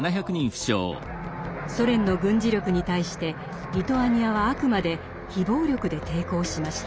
ソ連の軍事力に対してリトアニアはあくまで非暴力で抵抗しました。